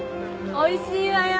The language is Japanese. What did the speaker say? おいしいわよ。